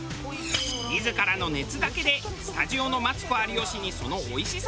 自らの熱だけでスタジオのマツコ有吉にそのおいしさを伝える。